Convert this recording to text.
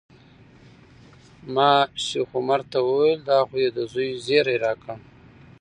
ما شیخ عمر ته وویل دا خو دې د زوی زیری راکړ.